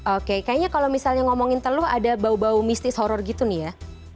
oke kayaknya kalau misalnya ngomongin teluh ada bau bau mistis horror gitu nih ya